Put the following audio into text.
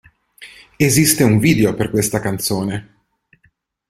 Esiste un video per questa canzone.